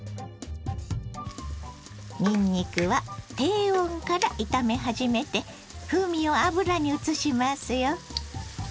にんにくは低温から炒め始めて風味を油にうつしますよ。